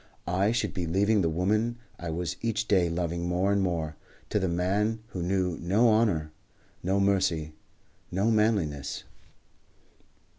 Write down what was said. I should be leaving the woman I was each day loving more and more, to the man who knew no honour, no mercy, no manliness.